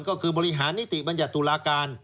ก็คือบริหารนิติบัญญัติตุลาการ